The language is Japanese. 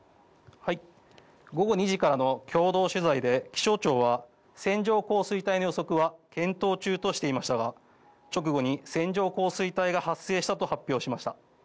午後２時からの共同取材で気象庁は、線状降水帯の予測は検討中としていましたが直後に線状降水帯が発生したと発表しました。